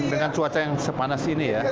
dengan cuaca yang sepanas